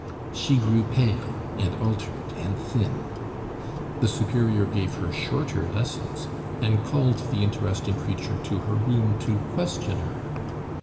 She grew pale and altered and thin. The Superior gave her shorter lessons, and called the interesting creature to her room to question her.